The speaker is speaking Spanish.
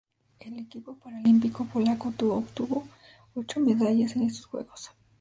El equipo paralímpico polaco obtuvo ocho medallas en estos Juegos.